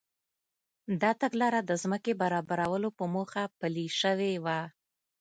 دا تګلاره د ځمکې برابرولو په موخه پلي شوې وه.